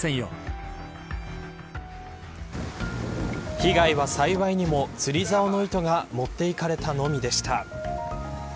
被害は幸いにも、釣りざおの糸が持っていかれたのみでした。